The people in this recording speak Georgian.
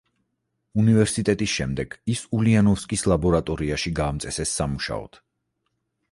უნივერსიტეტის შემდეგ ის ულიანოვსკის ლაბორატორიაში გაამწესეს სამუშაოდ.